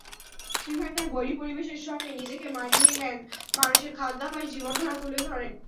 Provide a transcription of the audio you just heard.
সেখানকার বৈরী পরিবেশের সঙ্গে নিজেকে মানিয়ে নেন, মানুষের খাদ্যাভ্যাস, জীবনধারা তুলে ধরেন।